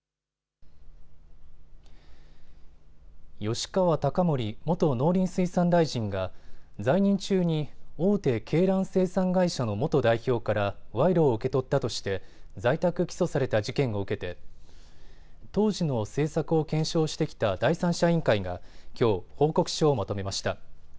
吉川貴盛元農林水産大臣が在任中に大手鶏卵生産会社の元代表から賄賂を受け取ったとして在宅起訴された事件を受けて当時の政策を検証してきた第三者委員会がきょう、報告書ををまとめました。